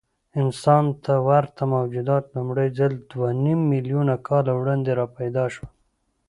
انسان ته ورته موجودات لومړی ځل دوهنیممیلیونه کاله وړاندې راپیدا شول.